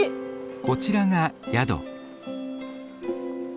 こちらが宿。